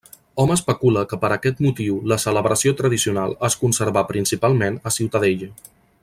Hom especula que per aquest motiu la celebració tradicional es conservà principalment a Ciutadella.